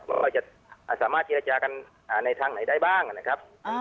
ว่าเราจะสามารถจีรจากันอ่าในทางไหนได้บ้างนะครับอ่า